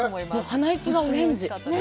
鼻息がオレンジ。